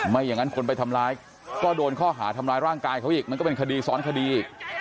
ไม่อย่างนั้นคนไปทำร้ายก็โดนข้อหาทำร้ายร่างกายเขาอีกมันก็เป็นคดีซ้อนคดีอีก